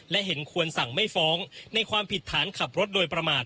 และเห็นควรสั่งไม่ฟ้องในความผิดฐานขับรถโดยประมาท